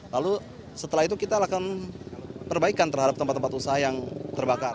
lalu setelah itu kita lakukan perbaikan terhadap tempat tempat usaha yang terbakar